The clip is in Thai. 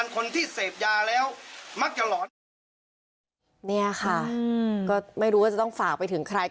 คนที่เสพยาแล้วมักจะหลอนเนี่ยค่ะก็ไม่รู้ว่าจะต้องฝากไปถึงใคร